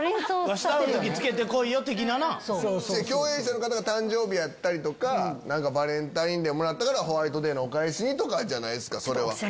わしと会う時つけてこいよ的ななぁ共演者の方が誕生日やったりとかバレンタインデーもらったからホワイトデーのお返しにとかじゃないですかそれは。